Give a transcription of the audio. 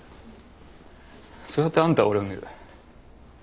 そうやってあんたは俺を見る。